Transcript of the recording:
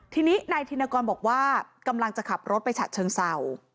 ทีนี้นายธินกรบอกว่ากำลังจะขับรถไปฉะเชิงเศร้า